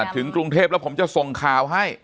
ถึงกรุงเทพแล้วผมจะส่งข่าวให้